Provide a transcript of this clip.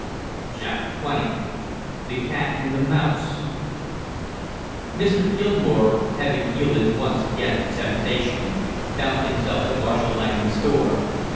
CHAPTER TWENTY THE CAT AND THE MOUSE Mr. Gilmore, having yielded once again to temptation, found himself at Marshall Langham's door.